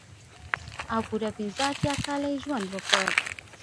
او پوره پنځه اتيا کاله يې ژوند وکړ.